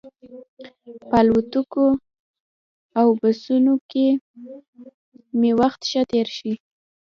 په الوتکو او بسونو کې مې وخت ښه تېر شي.